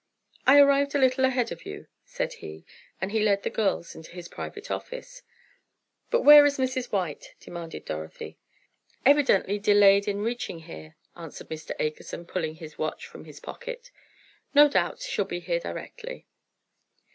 "I arrived a little ahead of you," said he, and he led the girls into his private office. "But where is Mrs. White?" demanded Dorothy. "Evidently delayed in reaching here," answered Mr. Akerson, pulling his watch from his pocket. "No doubt she'll be here directly."